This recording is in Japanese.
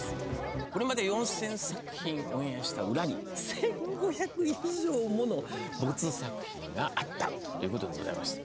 これまで４０００作品オンエアした裏に１５００以上ものボツ作品があったという事でございまして。